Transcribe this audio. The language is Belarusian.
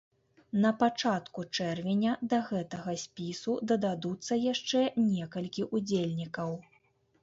На пачатку чэрвеня да гэтага спісу дададуцца яшчэ некалькі ўдзельнікаў.